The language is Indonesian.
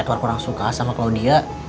atau kurang suka sama claudia